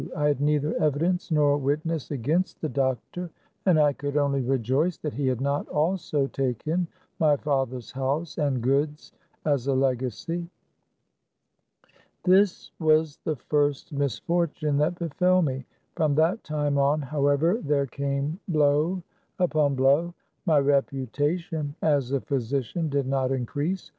I had neither evi dence nor witness against the doctor, and I could only rejoice that he had not also taken my father's house and goods as a legacy. This was the first misfortuue that befell me. From that time on, however, there came blow upon blow. My reputation as a physician did not increase.